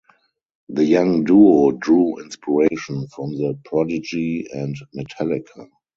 The young duo drew inspiration from The Prodigy and Metallica.